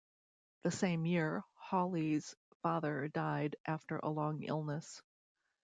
The same year, Hawley's father died after a long illness.